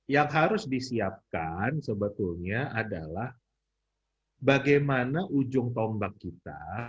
yang harus disiapkan sebetulnya adalah bagaimana ujung tombak kita